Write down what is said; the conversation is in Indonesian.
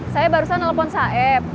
saya barusan nelfon saeb